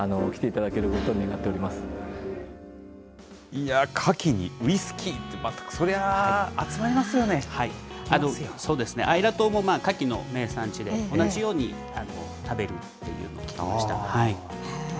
いや、カキにウイスキーって、そりゃあ、そうですね、アイラ島もカキの名産地で、同じように食べるっていうことを聞きました。